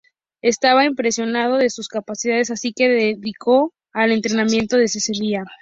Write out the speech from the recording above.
Estaba impresionado de sus capacidades, así que se dedicó al entrenamiento desde ese día.